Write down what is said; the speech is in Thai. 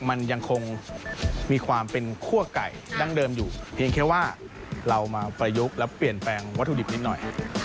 มันยังคงมีความเป็นคั่วไก่ดั้งเดิมอยู่เพียงแค่ว่าเรามาประยุกต์แล้วเปลี่ยนแปลงวัตถุดิบนิดหน่อย